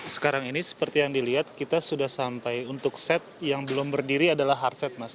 sekarang ini seperti yang dilihat kita sudah sampai untuk set yang belum berdiri adalah hardset mas